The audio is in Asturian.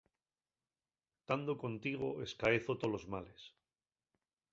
Tando contigo escaezo tolos males.